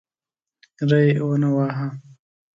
ری ونه واهه.